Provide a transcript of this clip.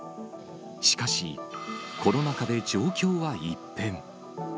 しかし、コロナ禍で状況は一変。